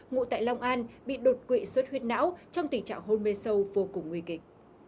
ngụ tại long an bị đột quỵ suất huyết não trong tình trạng hôn mê sâu vô cùng nguy kịch